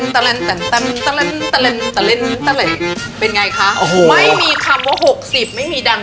แต่เล่นตะเหล็กเป็นไงคะโอ้โหไม่มีคำว่าหกสิบไม่มีดัง